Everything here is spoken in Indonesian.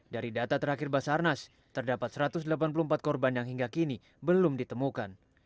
dari data terakhir basarnas terdapat satu ratus delapan puluh empat korban yang hingga kini belum ditemukan